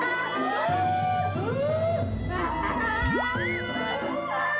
nah kenceng kenceng larinya ya